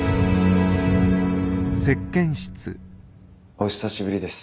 お久しぶりです。